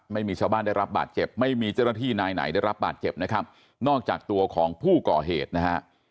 ไม่มีชาวบ้านได้รับบาดเจ็บไม่มีเจ้าหน้าที่นายไหนได้รับบาดเจ็บนะครับนอกจากตัวของผู้ก่อเหตุนะฮะ